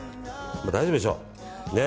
まあ、大丈夫でしょう。